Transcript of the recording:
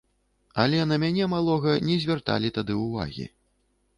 Але на мяне, малога, не звярталі тады ўвагі.